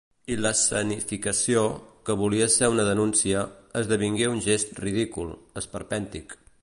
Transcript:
I l’escenificació, que volia ser una denúncia, esdevingué un gest ridícul, esperpèntic.